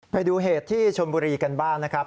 ไปดูเหตุที่ชนบุรีกันบ้างนะครับ